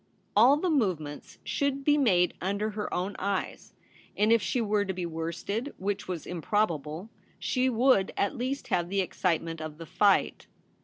All the movements should be made under her own eyes, and if she were to be worsted, which was improbable, she would at least have the excitement of the fight.